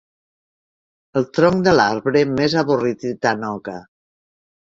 El tronc de l'arbre més avorrit i tanoca.